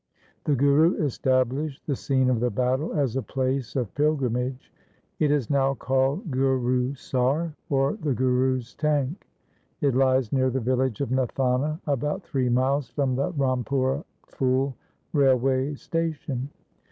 The Guru established the scene of the battle as a place of pilgrimage. It is now called Gurusar, or the Guru's tank. It lies near the village of Nathana, about three miles from the Rampura Phul railway station.